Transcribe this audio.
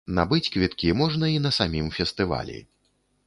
Набыць квіткі можна і на самім фестывалі.